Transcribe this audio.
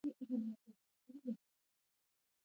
هلمند سیند د افغانستان په ستراتیژیک اهمیت کې رول لري.